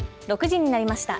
６時になりました。